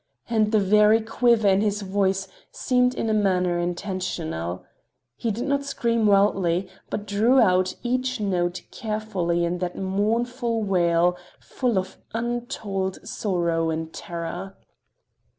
And the very quiver in his voice seemed in a manner intentional. He did not scream wildly, but drew out each note carefully in that mournful wail full of untold sorrow and terror.